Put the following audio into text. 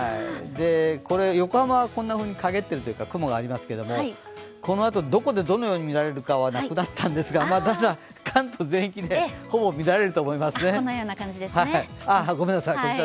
これ、横浜はこんなふうにかげっているというか、雲がありますがこのあと、どこでどのように見られるかはなくなったんですが、関東全域で、ほぼ見られると思います。